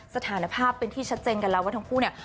สถานภาพเป็นที่ชัดเจนกันแล้วว่าทั้งคู่เนี่ย